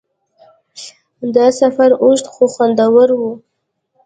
دا سفر اوږد خو خوندور و.